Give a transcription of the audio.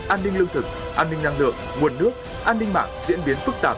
an ninh lương thực an ninh năng lượng nguồn nước an ninh mạng diễn biến phức tạp